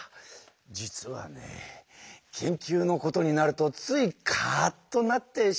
実はね研究のことになるとついカッとなってしまうんだ。